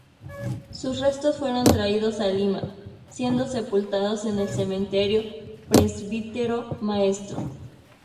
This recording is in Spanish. Sus restos fueron traídos a Lima, siendo sepultados en el Cementerio Presbítero Maestro.